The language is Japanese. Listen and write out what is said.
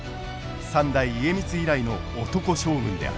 三代家光以来の男将軍である。